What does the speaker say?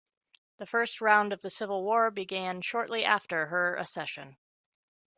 The first round of the civil war began shortly after her accession.